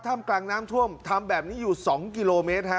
กลางน้ำท่วมทำแบบนี้อยู่๒กิโลเมตรฮะ